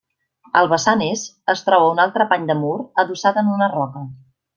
Al vessant est es troba un altre pany de mur adossat en una roca.